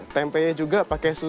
tempe juga pakai susu